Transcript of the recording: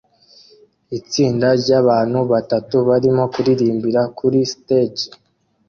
Itsinda ryabantu batatu barimo kuririmbira kuri stage